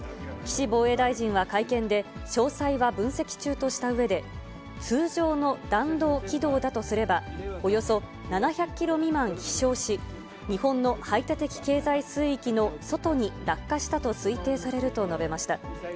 岸防衛大臣は会見で、詳細は分析中としたうえで、通常の弾道軌道だとすれば、およそ７００キロ未満飛しょうし、日本の排他的経済水域の外に落下したと推定されると述べました。